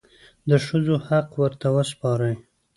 د ښځو حق ورته وسپارئ.